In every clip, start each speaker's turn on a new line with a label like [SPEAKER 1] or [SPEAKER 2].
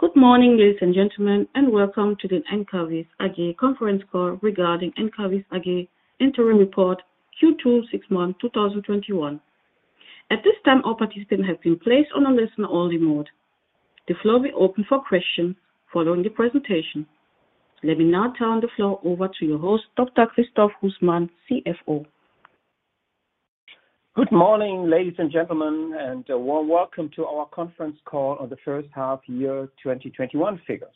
[SPEAKER 1] Good morning, ladies and gentlemen, and welcome to the Encavis AG conference call regarding Encavis AG interim report Q2 six-month 2021. At this time, all participants have been placed on a listen-only mode. The floor will open for questions following the presentation. Let me now turn the floor over to your host, Dr. Christoph Husmann, CFO.
[SPEAKER 2] Good morning, ladies and gentlemen, a warm welcome to our conference call on the first half year 2021 figures.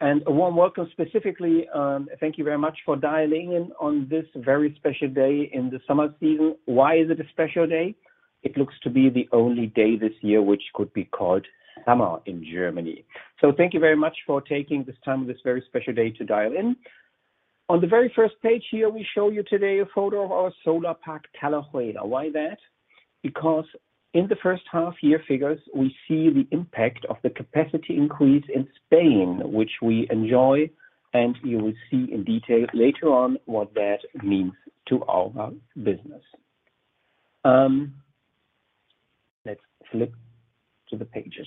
[SPEAKER 2] A warm welcome specifically. Thank you very much for dialing in on this very special day in the summer season. Why is it a special day? It looks to be the only day this year which could be called summer in Germany. Thank you very much for taking this time on this very special day to dial in. On the very first page here, we show you today a photo of our solar park, Talayuela. Why that? Because in the first half year figures, we see the impact of the capacity increase in Spain, which we enjoy and you will see in detail later on what that means to our business. Let's flip to the pages.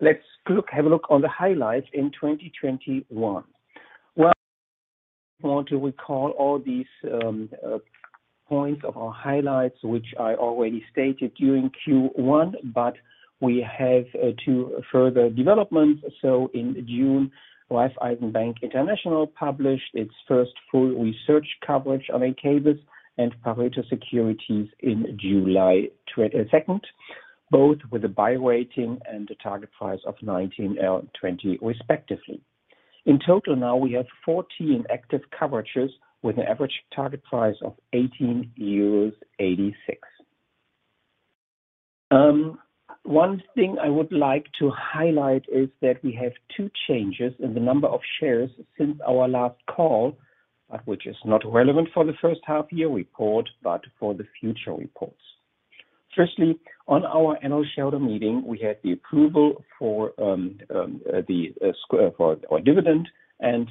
[SPEAKER 2] Let's have a look on the highlights in 2021. I want to recall all these points of our highlights, which I already stated during Q1, but we have two further developments. In June, Liberum published its first full research coverage of Encavis and Pareto Securities in July 22nd, both with a buy rating and a target price of 19 and 20 respectively. In total now, we have 14 active coverages with an average target price of 18.86 euros. One thing I would like to highlight is that we have two changes in the number of shares since our last call, which is not relevant for the first half year report, but for the future reports. Firstly, on our annual shareholder meeting, we had the approval for our dividend, and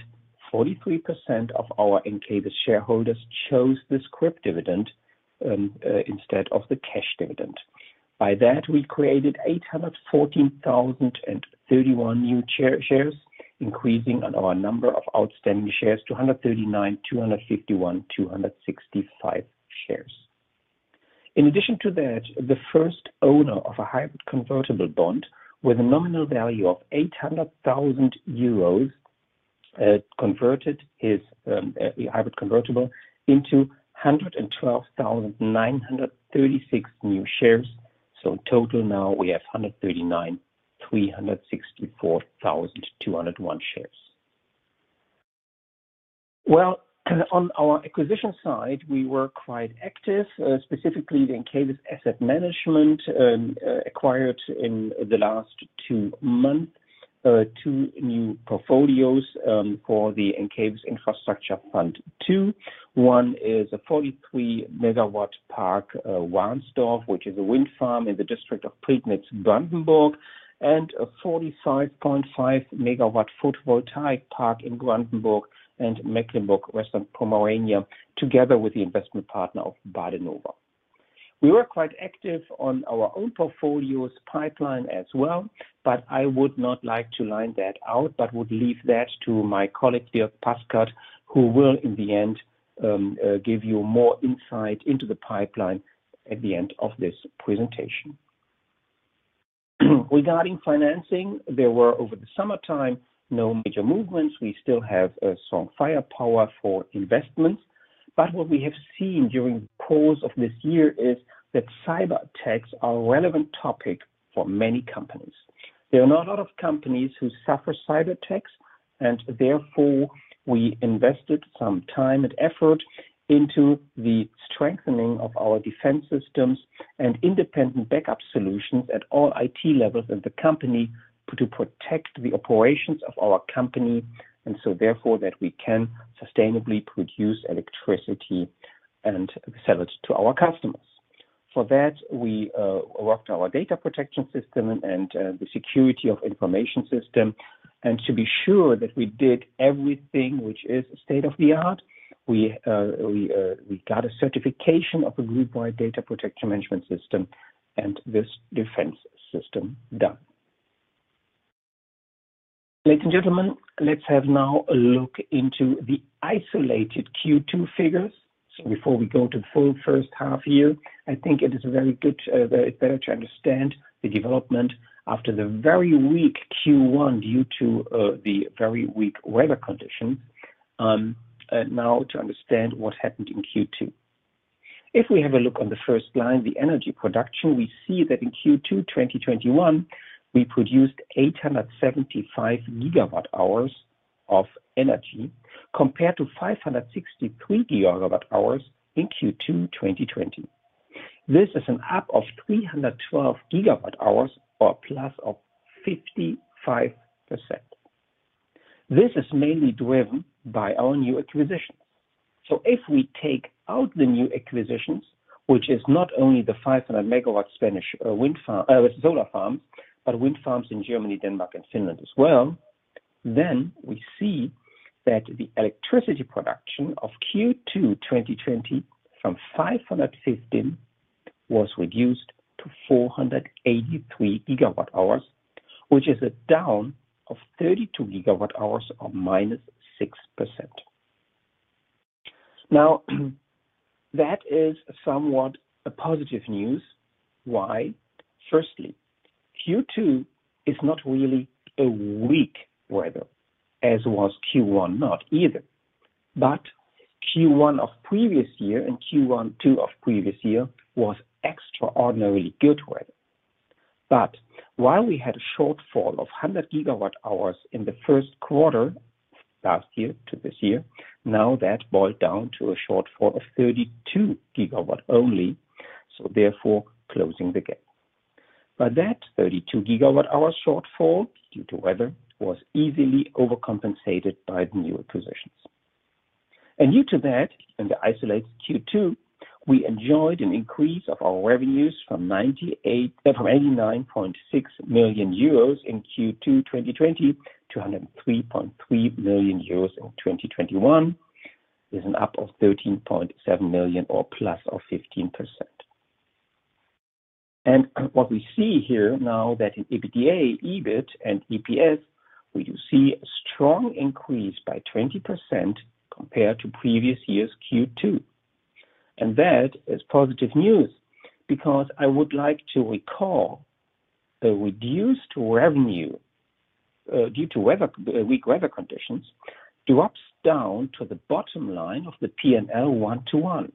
[SPEAKER 2] 43% of our Encavis shareholders chose the scrip dividend instead of the cash dividend. By that, we created 814,031 new shares, increasing our number of outstanding shares to 139,251,265 shares. In addition to that, the first owner of a hybrid convertible bond with a nominal value of 800,000 euros, converted his hybrid convertible into 112,936 new shares. In total now we have 139,364,201 shares. Well, on our acquisition side, we were quite active, specifically the Encavis Asset Management, acquired in the last two months, two new portfolios for the Encavis Infrastructure Fund II. One is a 43 MW park, Warnsdorf, which is a wind farm in the district of Prignitz, Brandenburg, and a 45.5 MW photovoltaic park in Brandenburg and Mecklenburg-Western Pomerania, together with the investment partner of badenova. We were quite active on our own portfolios pipeline as well, but I would not like to line that out, but would leave that to my colleague, Dierk Paskert, who will, in the end, give you more insight into the pipeline at the end of this presentation. Regarding financing, there were, over the summertime, no major movements. We still have some firepower for investments. What we have seen during the course of this year is that cyber attacks are a relevant topic for many companies. There are not a lot of companies who suffer cyber attacks, and therefore, we invested some time and effort into the strengthening of our defense systems and independent backup solutions at all IT levels in the company to protect the operations of our company, and so therefore, that we can sustainably produce electricity and sell it to our customers. For that, we worked on our data protection system and the security of information system. To be sure that we did everything which is state-of-the-art, we got a certification of a group-wide data protection management system, and this defense system done. Ladies and gentlemen, let's have now a look into the isolated Q2 figures. Before we go to the full first half year, I think it is very good, better to understand the development after the very weak Q1 due to the very weak weather condition, now to understand what happened in Q2. If we have a look on the first line, the energy production, we see that in Q2 2021, we produced 875 GWh of energy compared to 563 GWh in Q2 2020. This is an up of 312 GWh or plus of 55%. This is mainly driven by our new acquisitions. If we take out the new acquisitions, which is not only the 500 MW Spanish solar farm, but wind farms in Germany, Denmark, and Finland as well. We see that the electricity production of Q2 2020 from 515 GW was reduced to 483 GWh, which is a down of 32 GWh or -6%. That is somewhat a positive news. Why? Firstly, Q2 is not really a weak weather, as was Q1 not either. Q1 of previous year and Q1 of previous year was extraordinarily good weather. While we had a shortfall of 100 GWh in the first quarter last year to this year, now that boiled down to a shortfall of 32 GW only, therefore closing the gap. That 32 GWh shortfall due to weather was easily overcompensated by the newer acquisitions. Due to that, in the isolated Q2, we enjoyed an increase of our revenues from 89.6 million euros in Q2 2020 to 103.3 million euros in 2021, is an up of 13.7 million or plus of 15%. What we see here now that in EBITDA, EBIT and EPS, we do see a strong increase by 20% compared to previous year's Q2. That is positive news, because I would like to recall the reduced revenue, due to weak weather conditions, drops down to the bottom line of the P&L one to one,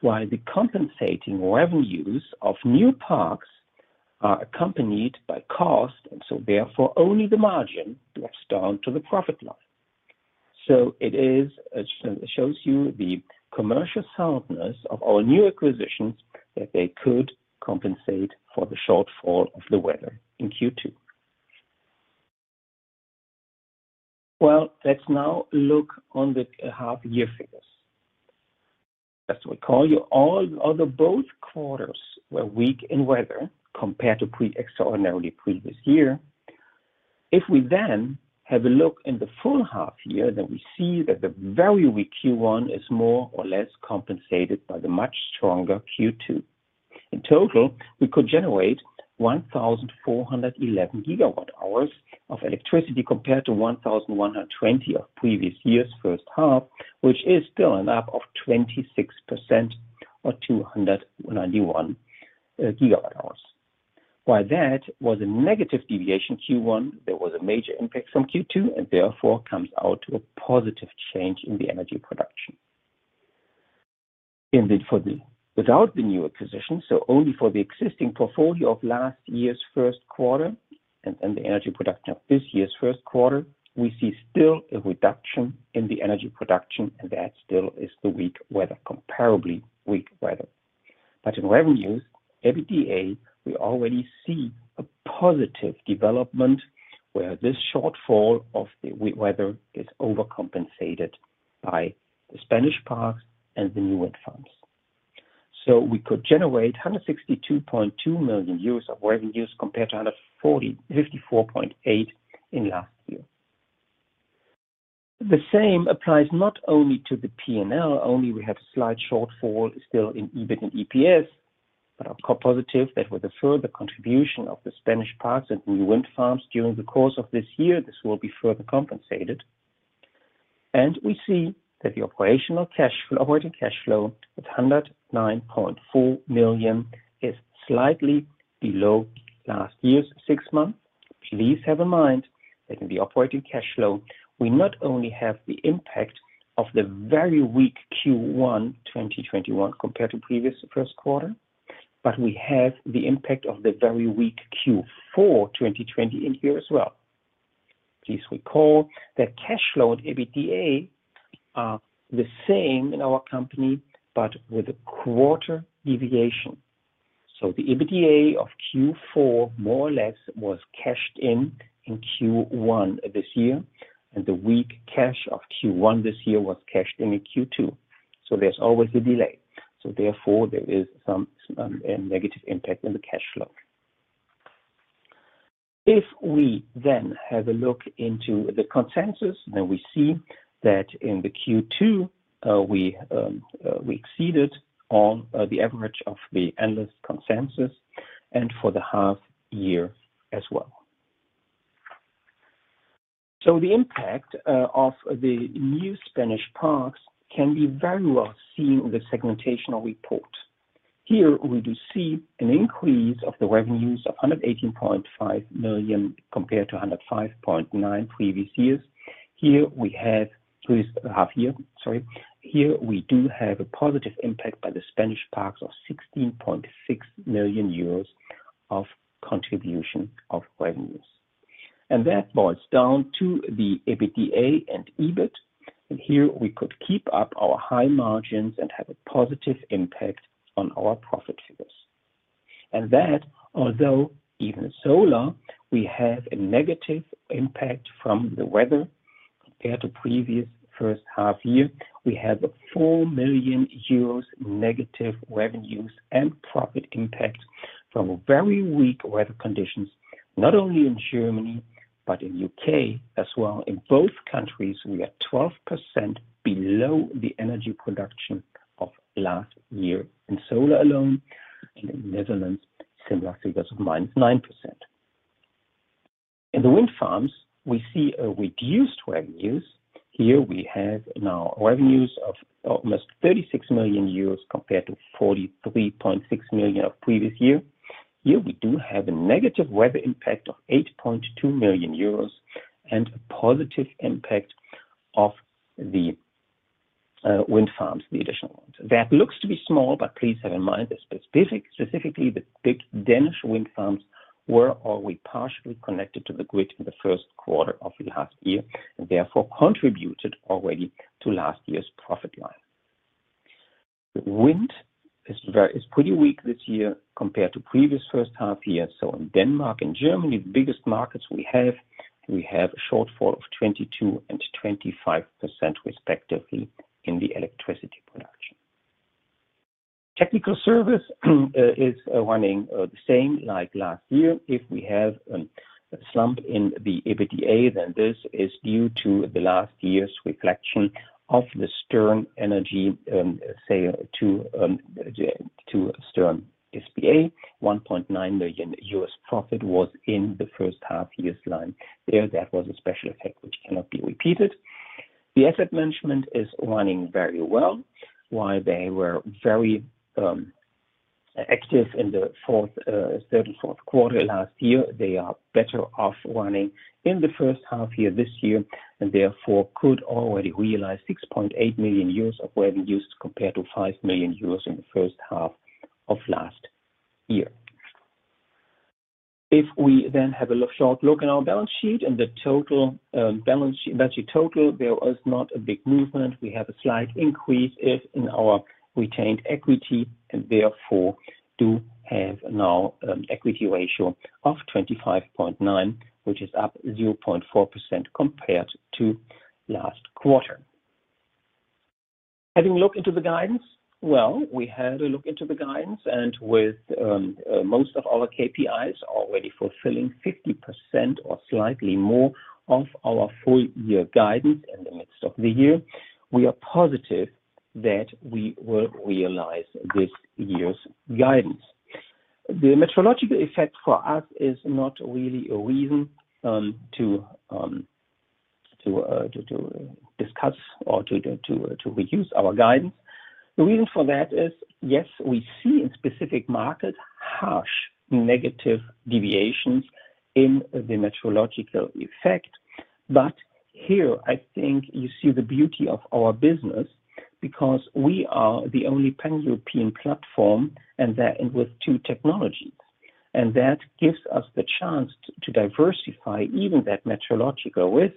[SPEAKER 2] while the compensating revenues of new parks are accompanied by cost, and so therefore only the margin drops down to the profit line. It shows you the commercial soundness of our new acquisitions that they could compensate for the shortfall of the weather in Q2. Well, let's now look on the half year figures. As we call you all, although both quarters were weak in weather compared to extraordinarily previous year. If we then have a look in the full half year, then we see that the very weak Q1 is more or less compensated by the much stronger Q2. In total, we could generate 1,411 GWh of electricity compared to 1,120 GWh of previous year's first half, which is still an up of 26% or 291 GWh. While that was a negative deviation Q1, there was a major impact from Q2, and therefore comes out to a positive change in the energy production. Without the new acquisition, so only for the existing portfolio of last year's first quarter and the energy production of this year's first quarter, we see still a reduction in the energy production, and that still is the weak weather, comparably weak weather. In revenues, EBITDA, we already see a positive development where this shortfall of the weak weather is overcompensated by the Spanish parks and the new wind farms. We could generate 162.2 million euros of revenues compared to 154.8 in last year. The same applies not only to the P&L, only we have slight shortfall still in EBIT and EPS, but are positive that with the further contribution of the Spanish parks and new wind farms during the course of this year, this will be further compensated. We see that the operating cash flow at 109.4 million is slightly below last year's six months. Please have in mind that in the operating cash flow, we not only have the impact of the very weak Q1 2021 compared to previous first quarter, but we have the impact of the very weak Q4 2020 in here as well. Please recall that cash flow and EBITDA are the same in our company, but with a quarter deviation. The EBITDA of Q4, more or less, was cashed in in Q1 this year, and the weak cash of Q1 this year was cashed in in Q2. There's always a delay. Therefore, there is some negative impact in the cash flow. If we then have a look into the consensus, then we see that in the Q2, we exceeded on the average of the analyst consensus and for the half year as well. The impact of the new Spanish parks can be very well seen in the segmentational report. Here, we do see an increase of the revenues of 118.5 million compared to 105.9 previous years. Half year, sorry. Here we do have a positive impact by the Spanish parks of 16.6 million euros of contribution of revenues. That boils down to the EBITDA and EBIT, and here we could keep up our high margins and have a positive impact on our profit figures. That, although even solar, we have a negative impact from the weather. Compared to previous first half year, we have a 4 million euros negative revenues and profit impact from very weak weather conditions, not only in Germany, but in U.K. as well. In both countries, we are 12% below the energy production of last year in solar alone. In the Netherlands, similarly, that's -9%. In the wind farms, we see a reduced revenues. Here we have now revenues of almost 36 million euros compared to 43.6 million of previous year. Here we do have a negative weather impact of 8.2 million euros and a positive impact of the wind farms, the additional ones. That looks to be small, but please have in mind that specifically the big Danish wind farms were already partially connected to the grid in the first quarter of last year, and therefore contributed already to last year's profit line. Wind is pretty weak this year compared to previous first half year. In Denmark and Germany, the biggest markets we have, we have a shortfall of 22% and 25% respectively in the electricity production. Technical service is running the same like last year. If we have a slump in the EBITDA, then this is due to the last year's reflection of the Stern Energy sale to Stern S.p.A. 1.9 million profit was in the first half year's line. There, that was a special effect which cannot be repeated. The asset management is running very well. While they were very active in the third and fourth quarter last year, they are better off running in the first half year this year, and therefore could already realize 6.8 million euros of revenues compared to 5 million euros in the first half of last year. If we then have a short look in our balance sheet and the total balance sheet total, there was not a big movement. We have a slight increase in our retained equity, and therefore do have now an equity ratio of 25.9%, which is up 0.4% compared to last quarter. Having a look into the guidance. Well, we had a look into the guidance, and with most of our KPIs already fulfilling 50% or slightly more of our full year guidance in the midst of the year, we are positive that we will realize this year's guidance. The meteorological effect for us is not really a reason to discuss or to reduce our guidance. The reason for that is, yes, we see in specific markets harsh negative deviations in the meteorological effect. Here, I think you see the beauty of our business, because we are the only pan-European platform and with two technologies. That gives us the chance to diversify even that meteorological risk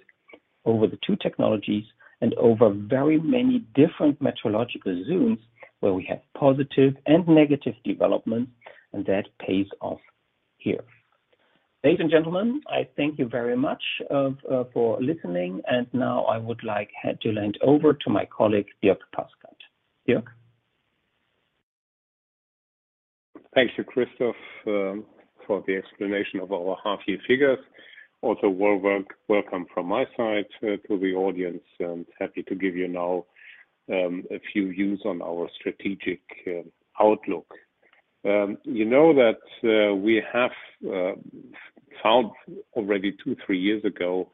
[SPEAKER 2] over the two technologies and over very many different meteorological zones where we have positive and negative developments, and that pays off here. Ladies and gentlemen, I thank you very much for listening. Now I would like to hand over to my colleague, Dierk Paskert. Dierk?
[SPEAKER 3] Thank you, Christoph, for the explanation of our half year figures. Welcome from my side to the audience. I'm happy to give you now a few views on our strategic outlook. You know that we have found already two, three years ago,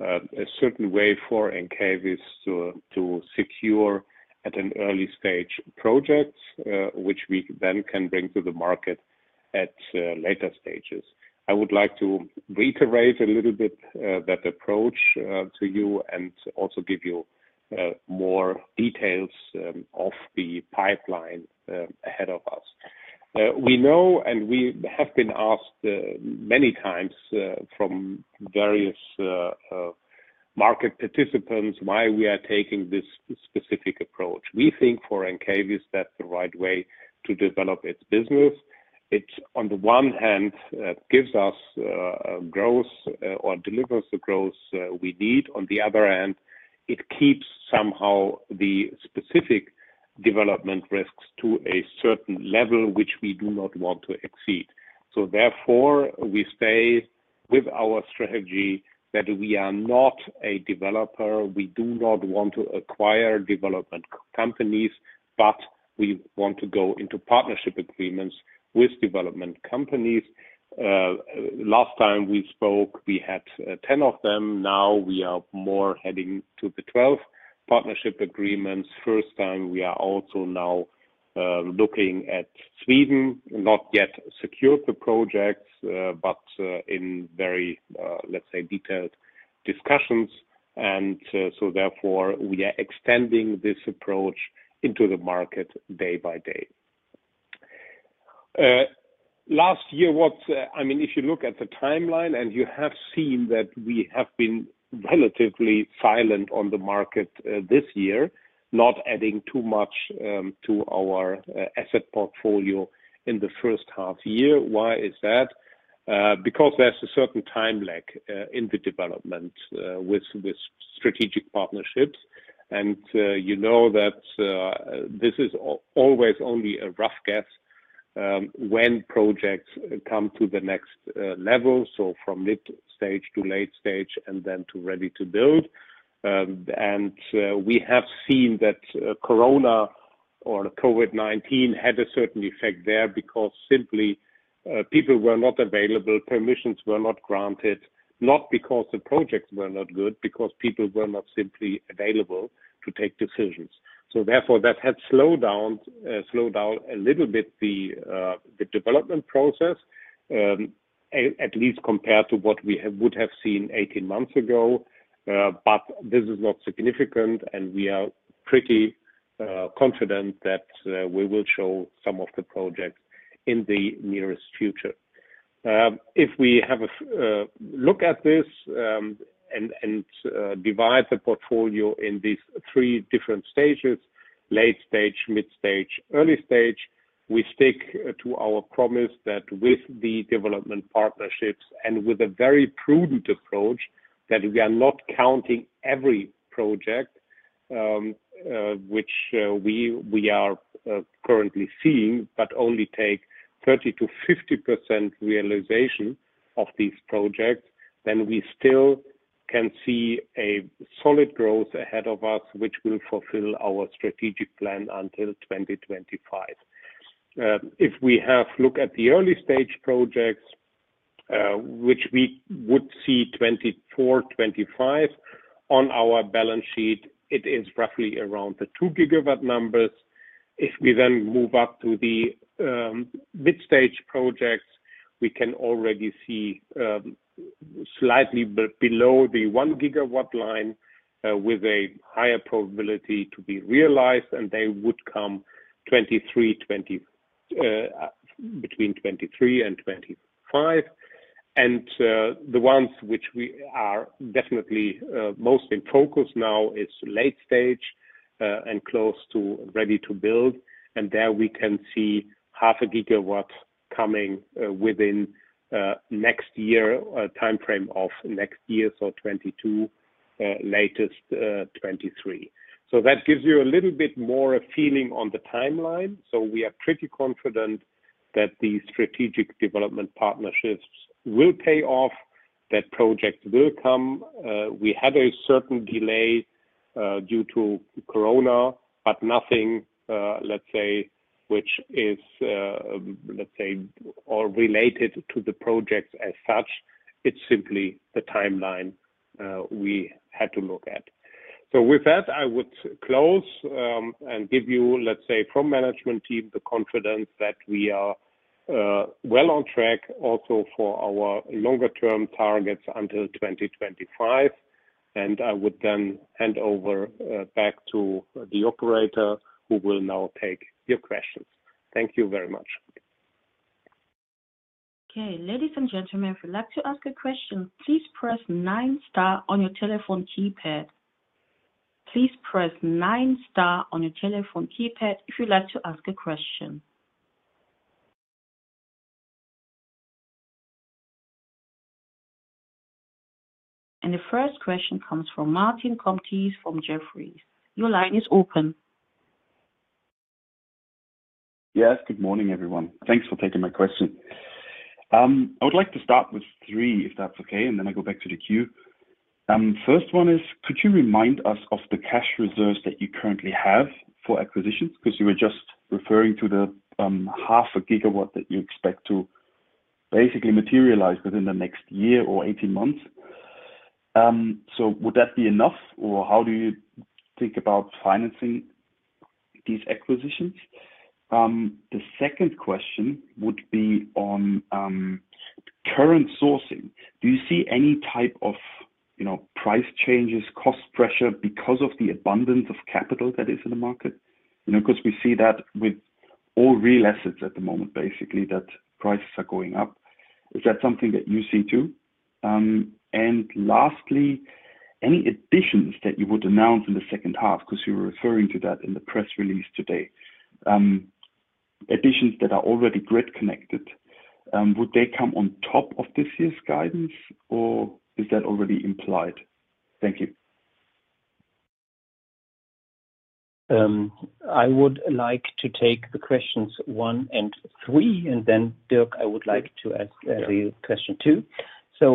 [SPEAKER 3] a certain way for Encavis to secure at an early stage, projects which we then can bring to the market at later stages. I would like to reiterate a little bit that approach to you and also give you more details of the pipeline ahead of us. We know, and we have been asked many times from various market participants why we are taking this specific approach. We think for Encavis, that's the right way to develop its business. It, on the one hand, gives us a growth or delivers the growth we need. On the other hand, it keeps somehow the specific development risks to a certain level, which we do not want to exceed. Therefore, we stay with our strategy that we are not a developer. We do not want to acquire development companies, but we want to go into partnership agreements with development companies. Last time we spoke, we had 10 of them. Now we are more heading to the 12 partnership agreements. First time we are also now looking at Sweden, not yet secured the projects, but in very, let’s say, detailed discussions. Therefore, we are extending this approach into the market day by day. Last year, if you look at the timeline and you have seen that we have been relatively silent on the market this year, not adding too much to our asset portfolio in the first half year. Why is that? Because there's a certain time lag in the development with strategic partnerships, and you know that this is always only a rough guess when projects come to the next level, so from mid stage to late stage and then to ready to build. We have seen that Corona or COVID-19 had a certain effect there because simply, people were not available, permissions were not granted. Not because the projects were not good, because people were not simply available to take decisions. Therefore, that had slowed down a little bit the development process, at least compared to what we would have seen 18 months ago. This is not significant, and we are pretty confident that we will show some of the projects in the nearest future. If we have a look at this and divide the portfolio in these three different stages, late stage, mid-stage, early stage, we stick to our promise that with the development partnerships and with a very prudent approach, that we are not counting every project, which we are currently seeing, but only take 30%-50% realization of these projects, we still can see a solid growth ahead of us, which will fulfill our strategic plan until 2025. If we have a look at the early stage projects, which we would see 2024, 2025 on our balance sheet, it is roughly around the 2 GW numbers. If we then move up to the mid-stage projects, we can already see slightly below the 1 GW line with a higher probability to be realized, and they would come between 2023 and 2025. The ones which we are definitely most in focus now is late stage and close to ready to build. There we can see 0.5 GW coming within next year, timeframe of next year, so 2022, latest 2023. That gives you a little bit more a feeling on the timeline. We are pretty confident that the strategic development partnerships will pay off, that projects will come. We had a certain delay due to COVID-19, but nothing, let's say, or related to the projects as such. It's simply the timeline we had to look at. With that, I would close, and give you, let's say, from management team, the confidence that we are well on track also for our longer-term targets until 2025. I would then hand over back to the operator who will now take your questions. Thank you very much.
[SPEAKER 1] Okay. Ladies and gentlemen, if you'd like to ask a question, please press nine star on your telephone keypad. Please press nine star on your telephone keypad if you'd like to ask a question. The first question comes from Martin Comtesse from Jefferies. Your line is open.
[SPEAKER 4] Yes. Good morning, everyone. Thanks for taking my question. I would like to start with three, if that's okay, and then I go back to the queue. First one is, could you remind us of the cash reserves that you currently have for acquisitions? Because you were just referring to the half a gigawatt that you expect to basically materialize within the next year or 18 months. Would that be enough, or how do you think about financing these acquisitions? The second question would be on current sourcing. Do you see any type of price changes, cost pressure because of the abundance of capital that is in the market? Because we see that with all real assets at the moment, basically, that prices are going up. Is that something that you see, too? Lastly, any additions that you would announce in the second half, because you were referring to that in the press release today, additions that are already grid connected, would they come on top of this year's guidance or is that already implied? Thank you.
[SPEAKER 2] I would like to take the questions one and three, and then Dierk, I would like to ask you question two.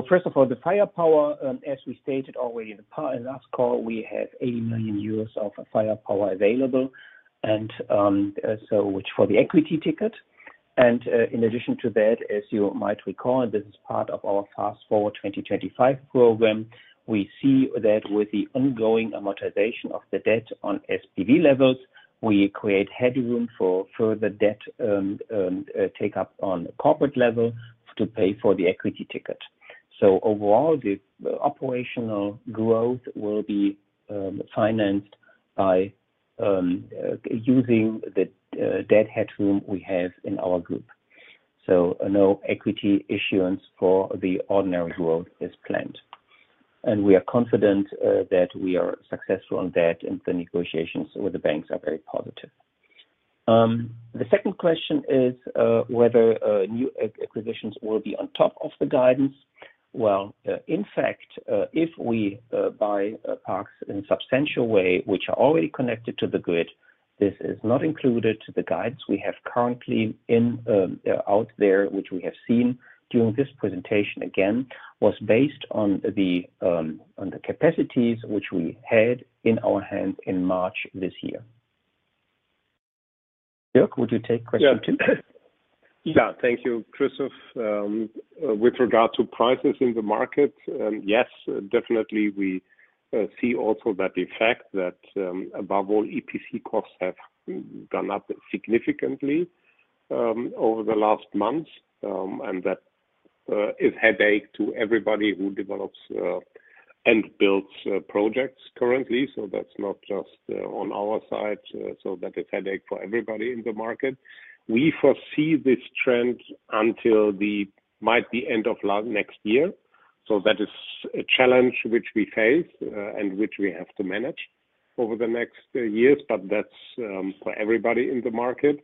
[SPEAKER 2] First of all, the firepower, as we stated already in the last call, we have 80 million euros of firepower available for the equity ticket. In addition to that, as you might recall, and this is part of our Fast Forward 2025, we see that with the ongoing amortization of the debt on SPV levels, we create headroom for further debt take up on corporate level to pay for the equity ticket. Overall, the operational growth will be financed by using the debt headroom we have in our group. No equity issuance for the ordinary growth is planned. We are confident that we are successful on that, and the negotiations with the banks are very positive. The second question is whether new acquisitions will be on top of the guidance. In fact, if we buy parks in a substantial way, which are already connected to the grid, this is not included to the guidance we have currently out there, which we have seen during this presentation, again, was based on the capacities which we had in our hands in March this year. Dierk, would you take question two?
[SPEAKER 3] Yeah. Thank you, Christoph. With regard to prices in the market, yes, definitely we see also that effect, that above all EPC costs have gone up significantly over the last months, and that is headache to everybody who develops and builds projects currently. That's not just on our side. That is headache for everybody in the market. We foresee this trend until the, might be end of next year. That is a challenge which we face and which we have to manage over the next years. That's for everybody in the market.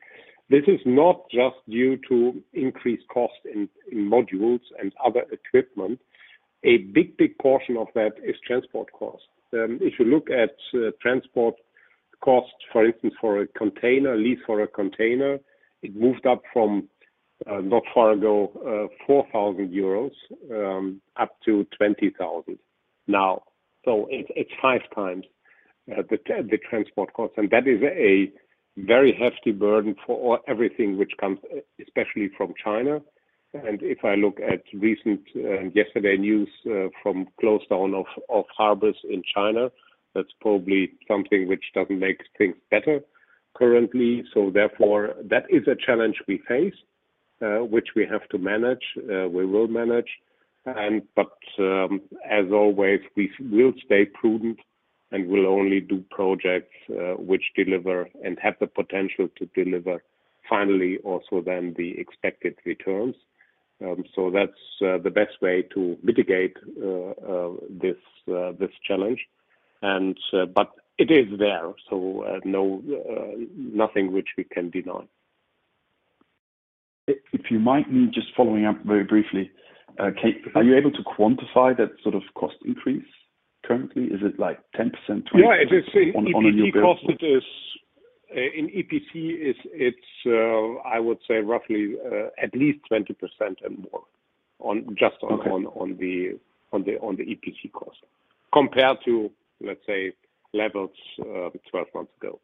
[SPEAKER 3] This is not just due to increased cost in modules and other equipment. A big portion of that is transport cost. If you look at transport cost, for instance, for a container lease for a container, it moved up from not far ago, 4,000 euros up to 20,000 now. It's five times the transport cost. That is a very hefty burden for everything which comes, especially from China. If I look at recent, yesterday, news from close down of harbors in China, that's probably something which doesn't make things better currently. Therefore, that is a challenge we face, which we have to manage, we will manage. As always, we will stay prudent and we'll only do projects which deliver and have the potential to deliver finally also then the expected returns. That's the best way to mitigate this challenge. It is there, so nothing which we can deny.
[SPEAKER 4] If you might, just following up very briefly. Are you able to quantify that sort of cost increase currently? Is it 10%, 20% on a new build?
[SPEAKER 3] Yeah. In EPC, it's, I would say roughly, at least 20% and more, just on the EPC cost, compared to, let's say, levels 12 months ago.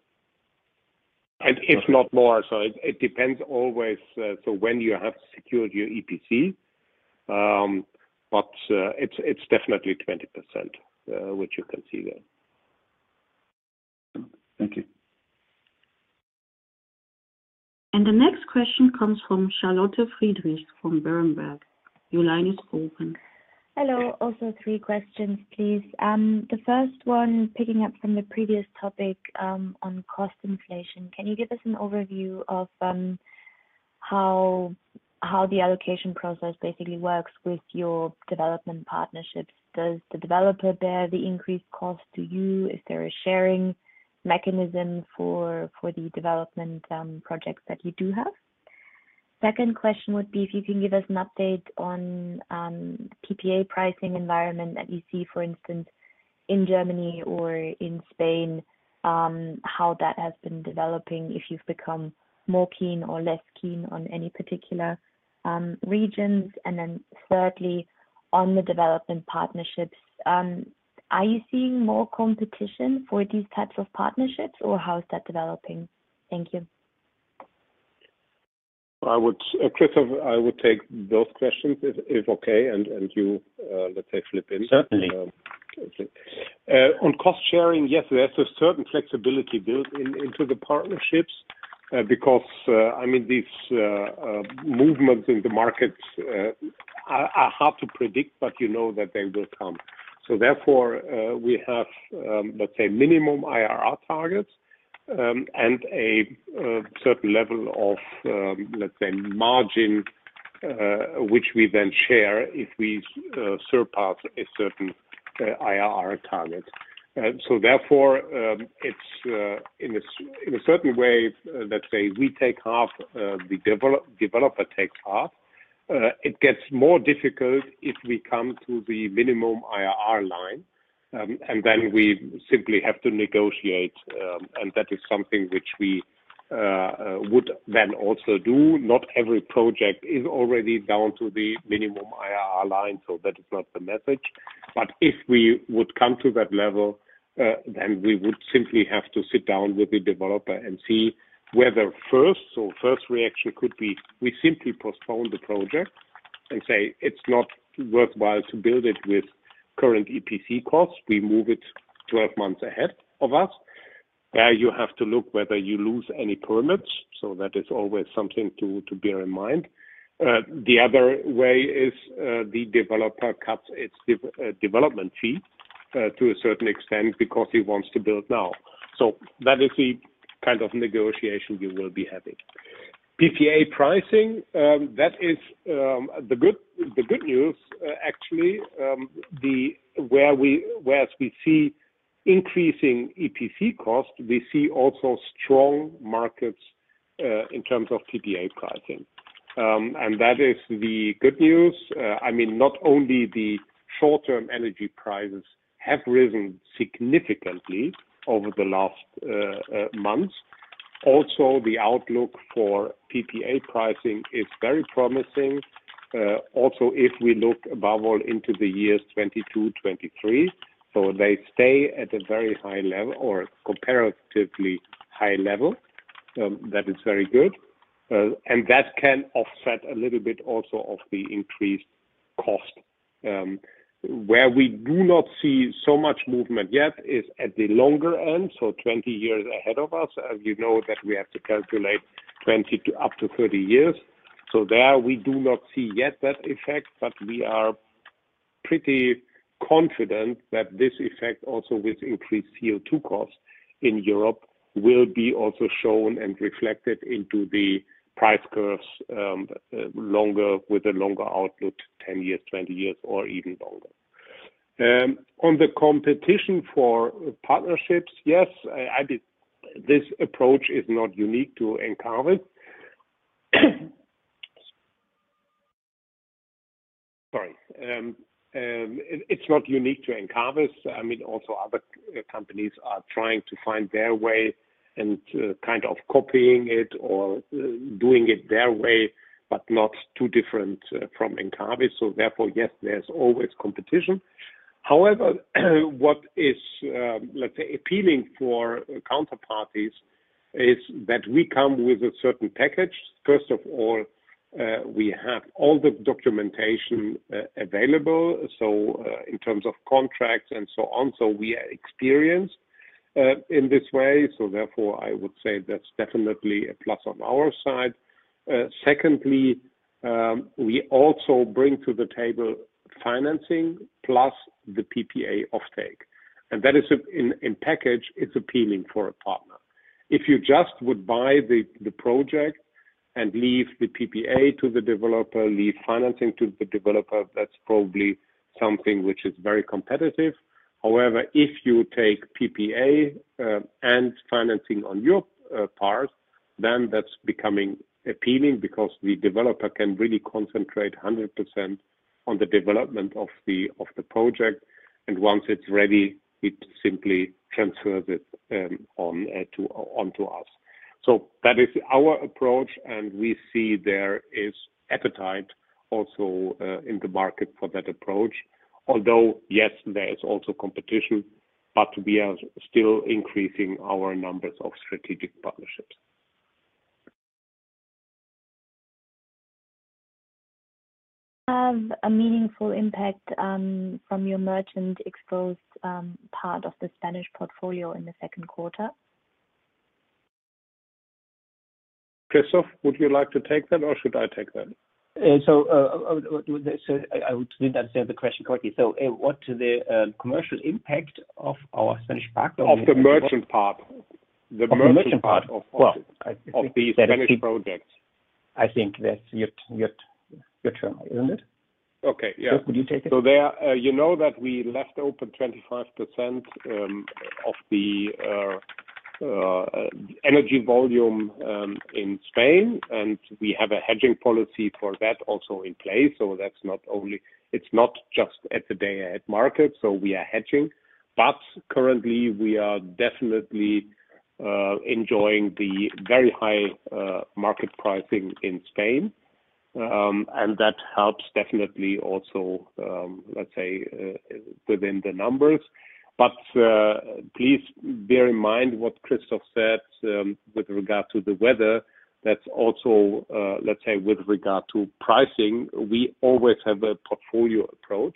[SPEAKER 3] If not more. It depends always, so when you have secured your EPC. It's definitely 20%, which you can see there.
[SPEAKER 4] Thank you.
[SPEAKER 1] The next question comes from Charlotte Friedrichs from Berenberg. Your line is open.
[SPEAKER 5] Hello. Also three questions, please. The first one, picking up from the previous topic, on cost inflation. Can you give us an overview of how the allocation process basically works with your development partnerships? Does the developer bear the increased cost to you? Is there a sharing mechanism for the development projects that you do have? Second question would be if you can give us an update on PPA pricing environment that you see, for instance, in Germany or in Spain, how that has been developing, if you've become more keen or less keen on any particular regions. Thirdly, on the development partnerships, are you seeing more competition for these types of partnerships or how is that developing? Thank you.
[SPEAKER 3] Christoph, I would take those questions, if okay, and you, let's say, flip in.
[SPEAKER 2] Certainly.
[SPEAKER 3] On cost sharing, yes, there's a certain flexibility built into the partnerships because these movements in the markets are hard to predict, but you know that they will come. Therefore, we have, let's say, minimum IRR targets, and a certain level of, let's say, margin, which we then share if we surpass a certain IRR target. Therefore, in a certain way, let's say, we take half, the developer takes half. It gets more difficult if we come to the minimum IRR line, and then we simply have to negotiate, and that is something which we would then also do. Not every project is already down to the minimum IRR line. That is not the message. If we would come to that level, we would simply have to sit down with the developer and see whether first reaction could be we simply postpone the project and say it's not worthwhile to build it with current EPC costs. We move it 12 months ahead of us. You have to look whether you lose any permits. That is always something to bear in mind. The other way is, the developer cuts its development fee to a certain extent because he wants to build now. That is the kind of negotiation we will be having. PPA pricing, that is the good news, actually. Whereas we see increasing EPC cost, we see also strong markets in terms of PPA pricing. That is the good news. Not only the short-term energy prices have risen significantly over the last months. Also, the outlook for PPA pricing is very promising. Also, if we look above all into the years 2022, 2023, they stay at a very high level or comparatively high level. That is very good, and that can offset a little bit also of the increased cost. Where we do not see so much movement yet is at the longer end, 20 years ahead of us, as you know that we have to calculate 20 to up to 30 years. There we do not see yet that effect, but we are pretty confident that this effect also with increased CO2 costs in Europe will be also shown and reflected into the price curves with a longer outlook, 10 years, 20 years, or even longer. On the competition for partnerships, yes, this approach is not unique to Encavis. Sorry. It's not unique to Encavis. Other companies are trying to find their way and kind of copying it or doing it their way, but not too different from Encavis. Therefore, yes, there's always competition. However, what is appealing for counterparties is that we come with a certain package. First of all, we have all the documentation available, so in terms of contracts and so on. We are experienced in this way. Therefore, I would say that's definitely a plus on our side. Secondly, we also bring to the table financing plus the PPA offtake. That in package, it's appealing for a partner. If you just would buy the project and leave the PPA to the developer, leave financing to the developer, that's probably something which is very competitive. However, if you take PPA and financing on your part, then that's becoming appealing because the developer can really concentrate 100% on the development of the project, and once it's ready, it simply transfers it onto us. That is our approach, and we see there is appetite also in the market for that approach. Yes, there is also competition, but we are still increasing our numbers of strategic partnerships.
[SPEAKER 5] Have a meaningful impact from your merchant exposed part of the Spanish portfolio in the second quarter?
[SPEAKER 3] Christoph, would you like to take that or should I take that?
[SPEAKER 2] I would need to understand the question correctly. What to the commercial impact of our-
[SPEAKER 3] Of the merchant part.
[SPEAKER 2] Of the merchant part. Well, I think that.
[SPEAKER 3] Of the Spanish project.
[SPEAKER 2] I think that's your turn, isn't it?
[SPEAKER 3] Okay. Yeah.
[SPEAKER 2] So, could you take it?
[SPEAKER 3] There, you know that we left open 25% of the energy volume in Spain, and we have a hedging policy for that also in place. It's not just at the day-ahead market. We are hedging. Currently, we are definitely enjoying the very high market pricing in Spain. That helps definitely also, let's say, within the numbers. Please bear in mind what Christoph said, with regard to the weather. That's also, let's say, with regard to pricing, we always have a portfolio approach,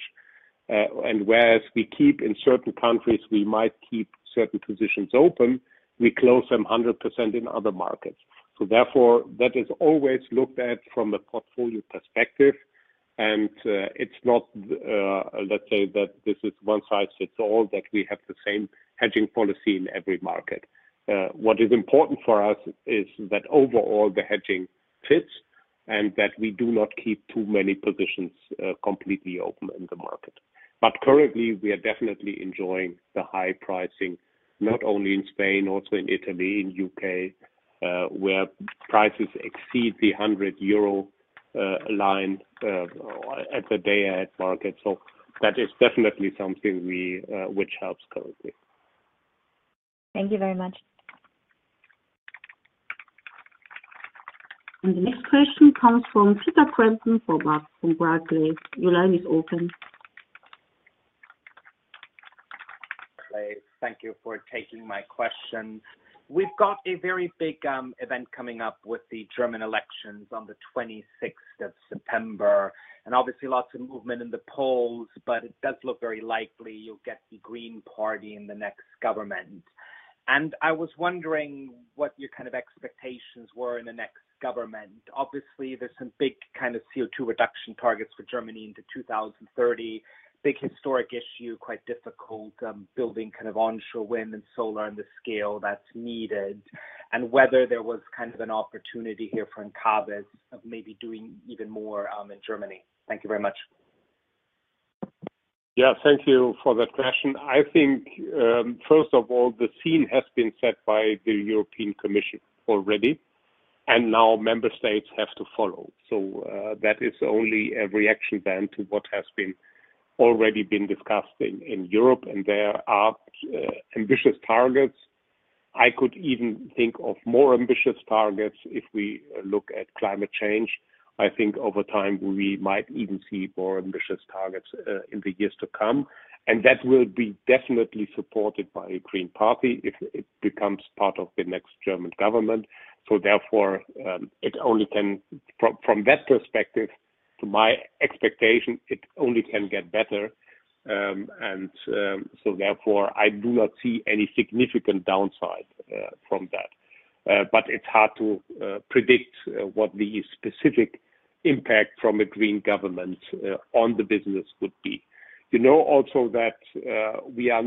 [SPEAKER 3] and whereas we keep in certain countries, we might keep certain positions open, we close them 100% in other markets. Therefore, that is always looked at from a portfolio perspective, and it's not that this is one size fits all, that we have the same hedging policy in every market. What is important for us is that overall the hedging fits and that we do not keep too many positions completely open in the market. Currently, we are definitely enjoying the high pricing, not only in Spain, also in Italy, in U.K., where prices exceed the 100 euro line at the day-ahead market. That is definitely something which helps currently.
[SPEAKER 5] Thank you very much.
[SPEAKER 1] The next question comes from Peter Crampton from Barclays. Your line is open.
[SPEAKER 6] Barclays. Thank you for taking my question. We've got a very big event coming up with the German elections on the 26th of September, and obviously lots of movement in the polls, but it does look very likely you'll get the Green Party in the next government. I was wondering what your kind of expectations were in the next government. Obviously, there's some big CO2 reduction targets for Germany into 2030. Big historic issue, quite difficult building onshore wind and solar on the scale that's needed, and whether there was an opportunity here for Encavis of maybe doing even more in Germany. Thank you very much.
[SPEAKER 3] Yeah, thank you for that question. I think, first of all, the scene has been set by the European Commission already, and now member states have to follow. That is only a reaction then to what has already been discussed in Europe, and there are ambitious targets. I could even think of more ambitious targets if we look at climate change. I think over time, we might even see more ambitious targets in the years to come. That will be definitely supported by Green Party if it becomes part of the next German government. Therefore, from that perspective, to my expectation, it only can get better. Therefore, I do not see any significant downside from that. It's hard to predict what the specific impact from a green government on the business could be. You know also that we are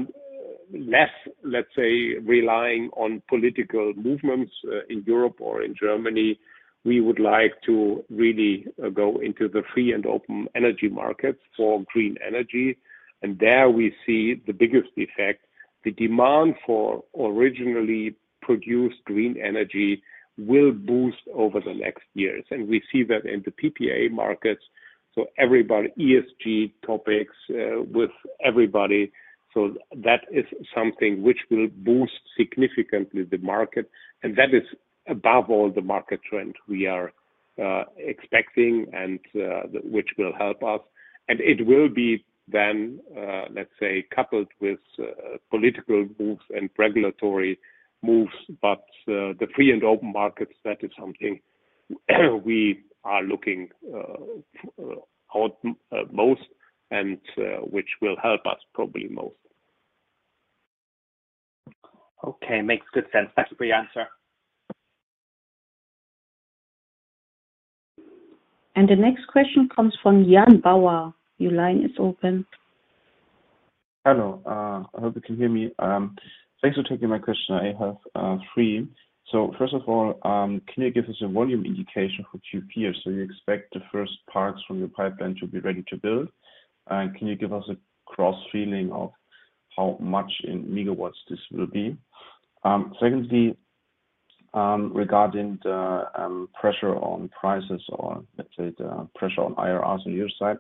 [SPEAKER 3] less, let's say, relying on political movements in Europe or in Germany. We would like to really go into the free and open energy markets for green energy. There we see the biggest effect. The demand for originally produced green energy will boost over the next years. We see that in the PPA markets. Everybody, ESG topics with everybody. That is something which will boost significantly the market. That is above all the market trend we are expecting and which will help us. It will be then, let's say, coupled with political moves and regulatory moves. The free and open markets, that is something we are looking at most and which will help us probably most.
[SPEAKER 6] Okay. Makes good sense. Thanks for your answer.
[SPEAKER 1] The next question comes from Jan Bauer. Your line is open.
[SPEAKER 7] Hello. I hope you can hear me. Thanks for taking my question. I have three. First of all, can you give us a volume indication for Q4? You expect the first parts from your pipeline to be ready to build? Can you give us a cross-feeling of how much in megawatts this will be? Secondly, regarding the pressure on prices or let's say the pressure on IRRs on your side,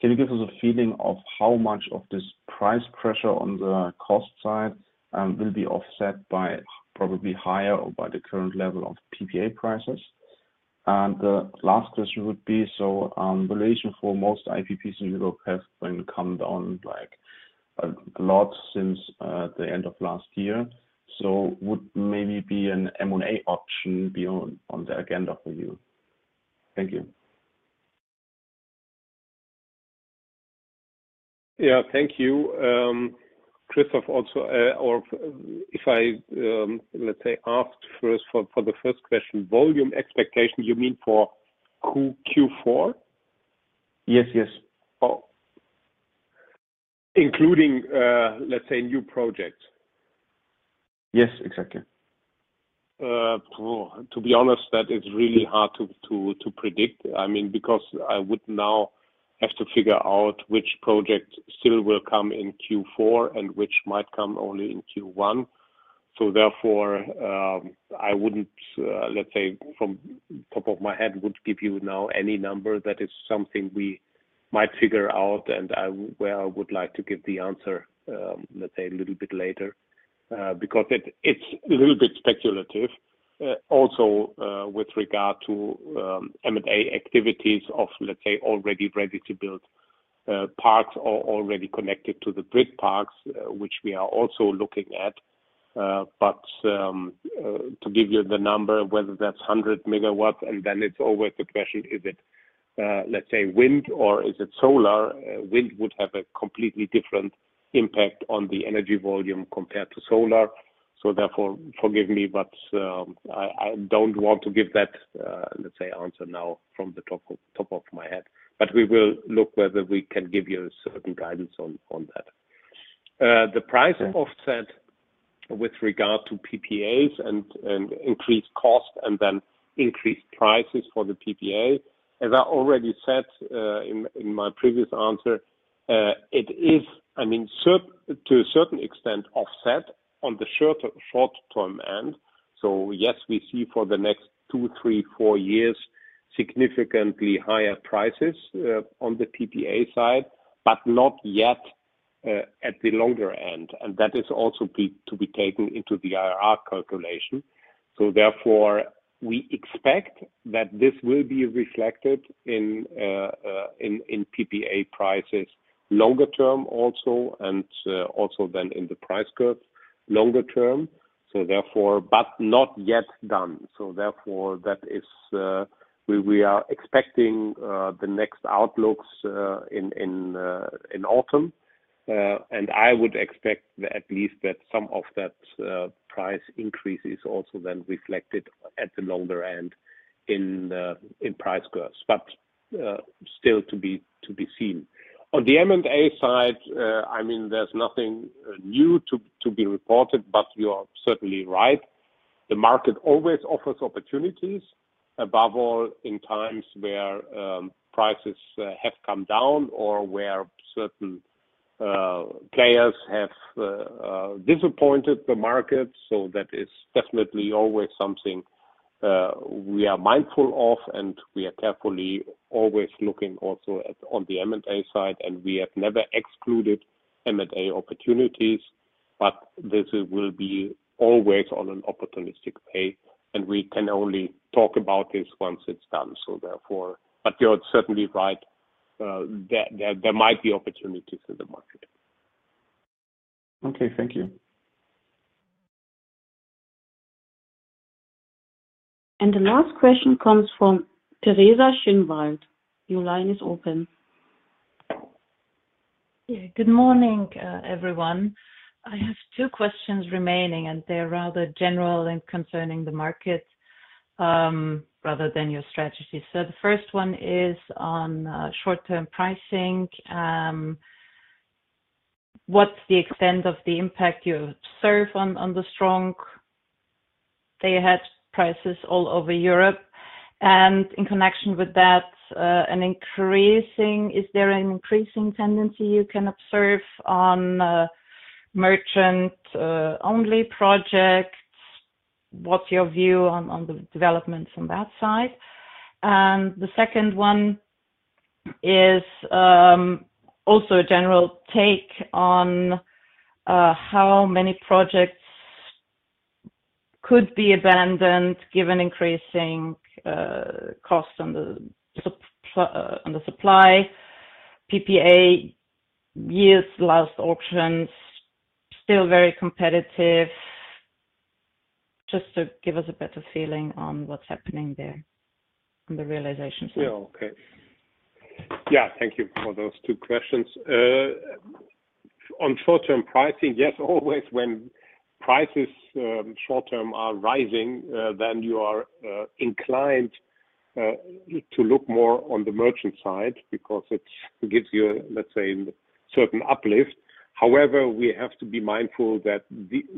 [SPEAKER 7] can you give us a feeling of how much of this price pressure on the cost side will be offset by probably higher or by the current level of PPA prices? The last question would be, so valuation for most IPPs in Europe has been come down a lot since the end of last year. Would maybe be an M&A option be on the agenda for you? Thank you.
[SPEAKER 3] Yeah. Thank you. Christoph, also or if I, let's say, asked first for the first question, volume expectation, you mean for Q4?
[SPEAKER 7] Yes.
[SPEAKER 3] Oh. Including, let's say, new projects?
[SPEAKER 7] Yes, exactly.
[SPEAKER 3] To be honest, that is really hard to predict. I would now have to figure out which project still will come in Q4 and which might come only in Q1. Therefore, I wouldn't, let's say, from top of my head, would give you now any number. That is something we might figure out and where I would like to give the answer, let's say, a little bit later. It's a little bit speculative. Also, with regard to M&A activities of, let's say, already ready-to-build parks or already connected to the grid parks, which we are also looking at. To give you the number, whether that's 100 MW, and then it's always the question, is it, let's say, wind or is it solar? Wind would have a completely different impact on the energy volume compared to solar. Therefore, forgive me, but I don't want to give that, let's say, answer now from the top of my head. We will look whether we can give you a certain guidance on that. The price offset with regard to PPAs and increased cost and then increased prices for the PPA, as I already said in my previous answer, it is to a certain extent offset on the short-term end. Yes, we see for the next two, three, four years, significantly higher prices on the PPA side, but not yet at the longer end. That is also to be taken into the IRR calculation. Therefore, we expect that this will be reflected in PPA prices longer term also and also then in the price curves longer term. Not yet done. Therefore, we are expecting the next outlooks in autumn. I would expect at least that some of that price increase is also then reflected at the longer end in price curves, but still to be seen. On the M&A side, there's nothing new to be reported, but you are certainly right. The market always offers opportunities, above all in times where prices have come down or where certain players have disappointed the market. That is definitely always something we are mindful of, and we are carefully always looking also on the M&A side, and we have never excluded M&A opportunities, but this will be always on an opportunistic pace, and we can only talk about this once it's done. You are certainly right, there might be opportunities in the market.
[SPEAKER 7] Okay. Thank you.
[SPEAKER 1] The last question comes from Teresa Schinwald. Your line is open.
[SPEAKER 8] Yeah. Good morning, everyone. I have two questions remaining, and they're rather general in concerning the market, rather than your strategy. The first one is on short-term pricing. What's the extent of the impact you observe on the strong day-ahead prices all over Europe? In connection with that, is there an increasing tendency you can observe on merchant-only projects? What's your view on the developments on that side? The second one is also a general take on how many projects could be abandoned given increasing costs on the supply, PPA years last auctions still very competitive, just to give us a better feeling on what's happening there on the realization side.
[SPEAKER 3] Yeah. Okay. Yeah. Thank you for those two questions. On short-term pricing, yes, always when prices short term are rising, you are inclined to look more on the merchant side because it gives you, let's say, a certain uplift. However, we have to be mindful that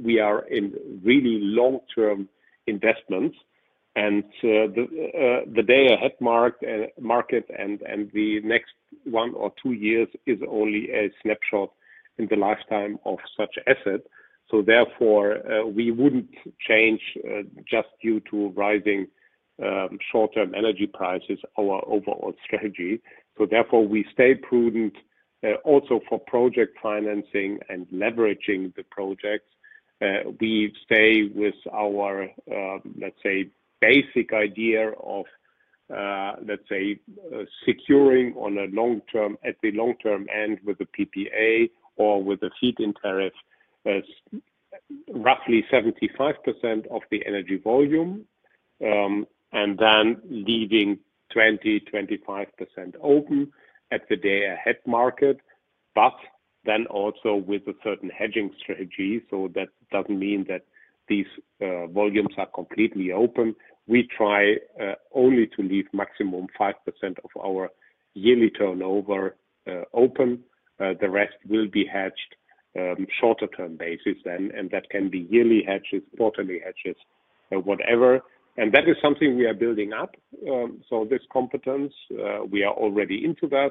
[SPEAKER 3] we are in really long-term investments, and the day-ahead market and the next one or two years is only a snapshot in the lifetime of such asset. Therefore, we wouldn't change, just due to rising short-term energy prices, our overall strategy. Therefore, we stay prudent. Also for project financing and leveraging the projects, we stay with our, let's say, basic idea of securing at the long term end with a PPA or with a feed-in tariff, roughly 75% of the energy volume, and then leaving 20%, 25% open at the day-ahead market. Also with a certain hedging strategy, so that doesn't mean that these volumes are completely open. We try only to leave maximum 5% of our yearly turnover open. The rest will be hedged shorter term basis then, and that can be yearly hedges, quarterly hedges, whatever. That is something we are building up. This competence, we are already into that.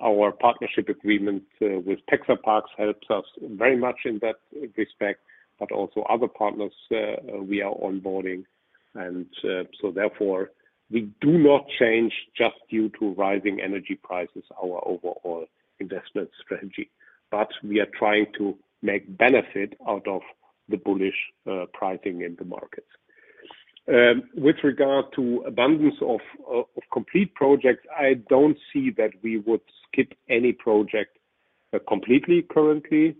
[SPEAKER 3] Our partnership agreement with Statkraft helps us very much in that respect, but also other partners we are onboarding. Therefore, we do not change just due to rising energy prices our overall investment strategy. We are trying to make benefit out of the bullish pricing in the market. With regard to abundance of complete projects, I don't see that we would skip any project completely currently.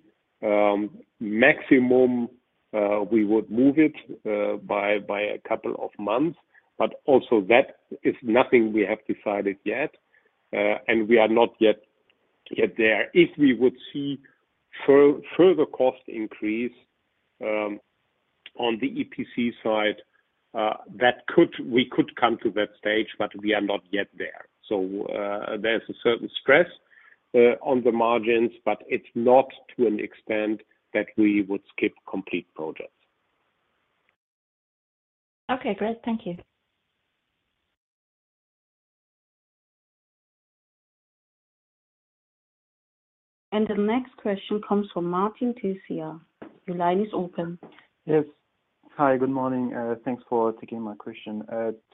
[SPEAKER 3] Maximum, we would move it by a couple of months, but also that is nothing we have decided yet. We are not yet there. If we would see further cost increase on the EPC side, we could come to that stage, but we are not yet there. There's a certain stress on the margins, but it's not to an extent that we would skip complete projects.
[SPEAKER 8] Okay, great. Thank you.
[SPEAKER 1] The next question comes from Martin Tessier. Your line is open.
[SPEAKER 9] Yes. Hi, good morning. Thanks for taking my question.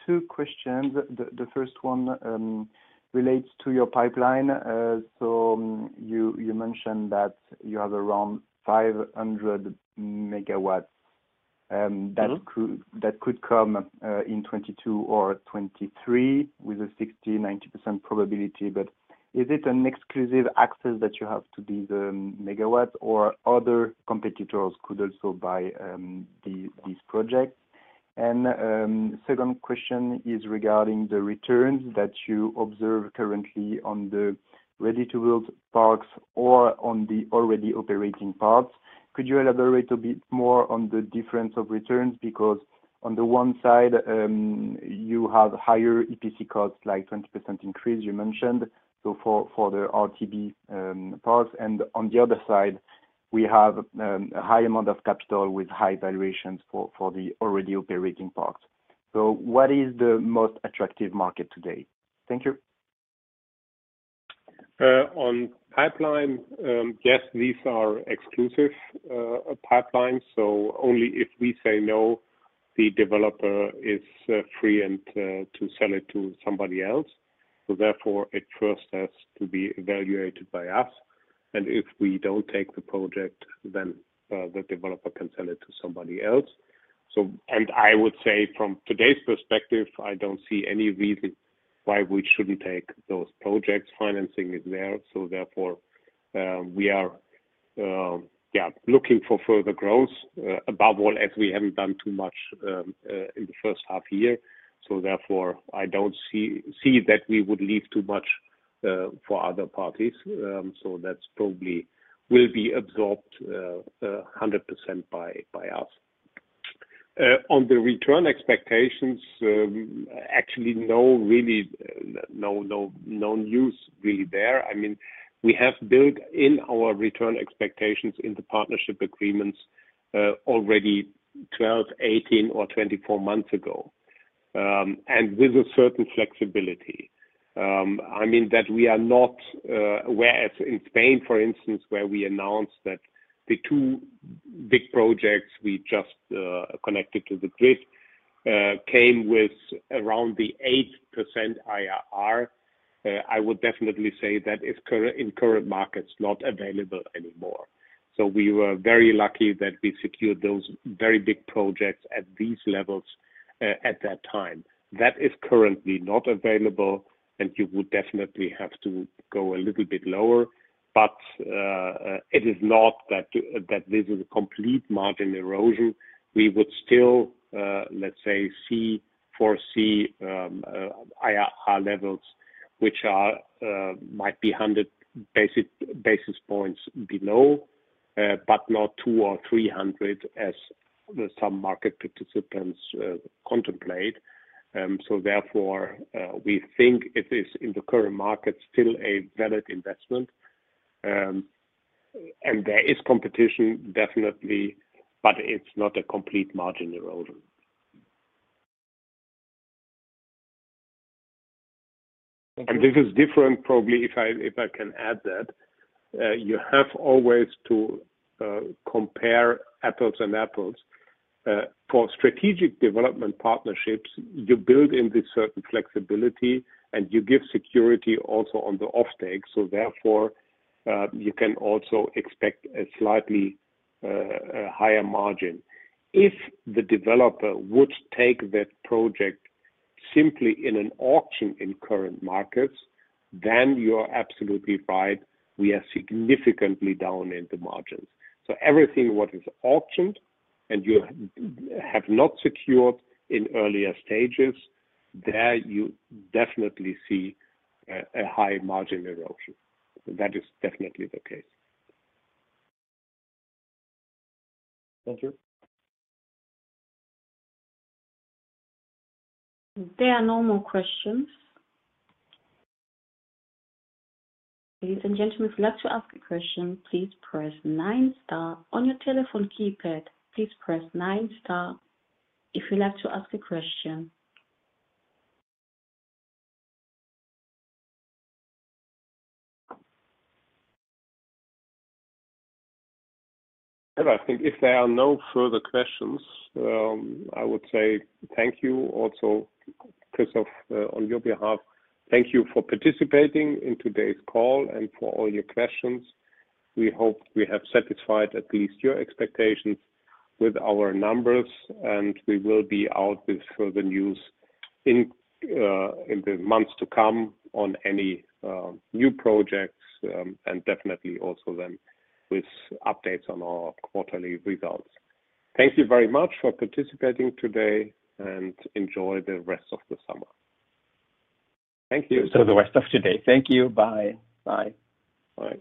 [SPEAKER 9] Two questions. The first one relates to your pipeline. You mentioned that you have around 500 MW that could come in 2022 or 2023 with a 60%-90% probability. Is it an exclusive access that you have to these megawatts, or other competitors could also buy these projects? Second question is regarding the returns that you observe currently on the ready-to-build parks or on the already operating parks. Could you elaborate a bit more on the difference of returns? Because on the one side, you have higher EPC costs, like 20% increase you mentioned for the RTB parks, and on the other side, we have a high amount of capital with high valuations for the already operating parks. What is the most attractive market today? Thank you.
[SPEAKER 3] Yes, these are exclusive pipelines. Only if we say no, the developer is free to sell it to somebody else. Therefore, it first has to be evaluated by us. If we don't take the project, the developer can sell it to somebody else. I would say from today's perspective, I don't see any reason why we shouldn't take those projects. Financing is there. Therefore, we are looking for further growth. Above all, as we haven't done too much in the first half year, therefore, I don't see that we would leave too much for other parties. That probably will be absorbed 100% by us. On the return expectations, actually, no news really there. We have built in our return expectations in the partnership agreements already 12, 18 or 24 months ago. With a certain flexibility. That we are not aware, as in Spain, for instance, where we announced that the two big projects we just connected to the grid came with around the 8% IRR. I would definitely say that is, in current markets, not available anymore. We were very lucky that we secured those very big projects at these levels at that time. That is currently not available, and you would definitely have to go a little bit lower. It is not that this is a complete margin erosion. We would still, let's say, foresee IRR levels, which might be 100 basis points below, but not 200 or 300 as some market participants contemplate. Therefore, we think it is, in the current market, still a valid investment. There is competition, definitely, but it's not a complete margin erosion.
[SPEAKER 9] Thank you.
[SPEAKER 3] This is different, probably, if I can add that. You have always to compare apples and apples. For strategic development partnerships, you build in this certain flexibility and you give security also on the offtake, so therefore, you can also expect a slightly higher margin. If the developer would take that project simply in an auction in current markets, then you're absolutely right. We are significantly down in the margins. Everything what is auctioned and you have not secured in earlier stages, there you definitely see a high margin erosion. That is definitely the case.
[SPEAKER 9] Thank you.
[SPEAKER 1] There are no more questions. Ladies and gentlemen, if you'd like to ask a question, please press nine star. On your telephone keypad, please press nine star if you'd like to ask a question.
[SPEAKER 3] I think if there are no further questions, I would say thank you. Also, Christoph, on your behalf, thank you for participating in today's call and for all your questions. We hope we have satisfied at least your expectations with our numbers, and we will be out with further news in the months to come on any new projects, and definitely also then with updates on our quarterly results. Thank you very much for participating today, and enjoy the rest of the summer. Thank you.
[SPEAKER 2] Enjoy the rest of today. Thank you. Bye.
[SPEAKER 3] Bye.